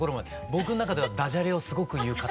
僕の中ではダジャレをすごく言う方。